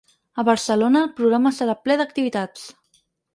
A Barcelona, el programa serà ple d’activitats.